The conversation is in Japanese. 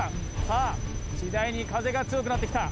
さあだんだん風が強くなってきた